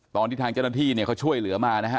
ตอนที่ทางเจ้าหน้าที่เนี่ยเขาช่วยเหลือมานะฮะ